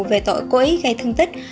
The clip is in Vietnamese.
về tội cố ý gây thương tích